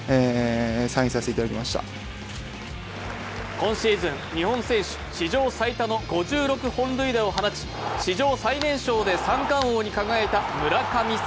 今シーズン日本選手史上最多の５６本塁打を放ち史上最年少で三冠王に輝いた村神様